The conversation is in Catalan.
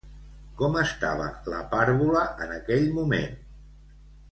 Com estava la pàrvula en aquell moment?